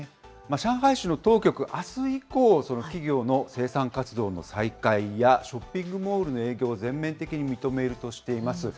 上海市の当局、あす以降、企業の生産活動の再開やショッピングモールの営業を全面的に認めるとしています。